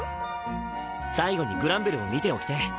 最後にグランベルを見ておきてぇ。